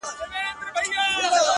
• رڼا ترې باسم له څراغه ـ